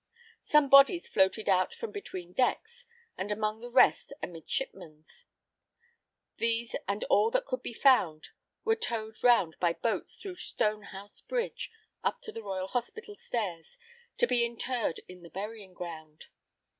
Some bodies floated out from between decks, and among the rest a midshipman's. These, and all that could be found, were towed round by boats through Stone house bridge up to the Royal Hospital stairs, to be interred in the burying ground.